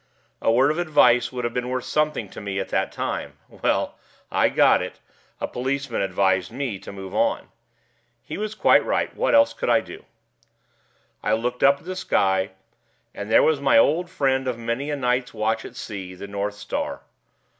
A word of advice would have been worth something to me at that time. Well! I got it: a policeman advised me to move on. He was quite right; what else could I do? I looked up at the sky, and there was my old friend of many a night's watch at sea, the north star.